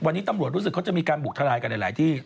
วันนี้ตำรวจรู้สึกเขาจะมีการบุกทลายกันหลายที่